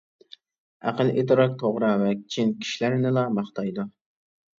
ئەقىل-ئىدراك، توغرا ۋە چىن كىشىلەرنىلا ماختايدۇ.